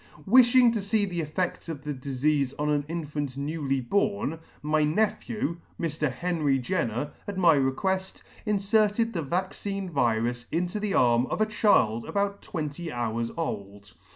Wifhing to fee the effeds of the difeafe on an infant newly born, my nephew, Mr. Henry Jenner, at my requelt, inferted the vaccine virus into the arm of a child about twenty hours old.